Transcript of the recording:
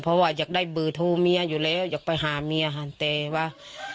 เพราะว่าอยากได้เบอร์โทรเมียอยู่แล้วอยากไปหาเมียหันแต่ว่า